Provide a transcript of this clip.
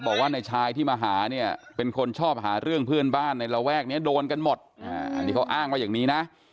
บอกว่าในชายที่มาหาเนี่ยเป็นคนชอบหาเรื่องเพื่อนบ้านในระแวกนี้โดนกันหมดอันนี้เขาอ้างว่าอย่างนี้นะ